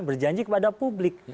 berjanji kepada publik